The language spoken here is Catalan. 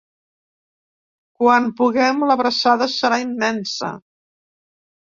Quan puguem, l’abraçada serà immensa.